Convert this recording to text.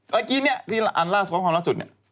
เมื่อกี้เนี่ยที่อันราชคำลักษุนเนี่ย